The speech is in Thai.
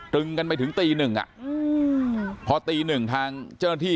ตรึงกันไปถึงตี๑นาที